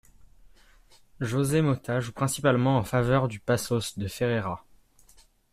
José Mota joue principalement en faveur du Paços de Ferreira.